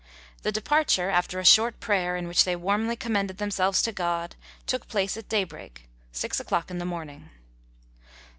The departure, after a short prayer in which they warmly commended themselves to God, took place at daybreak, six o'clock in the morning.